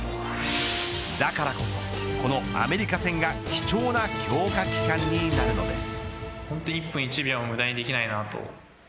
だからこそ、このアメリカ戦が貴重な強化期間になるのです。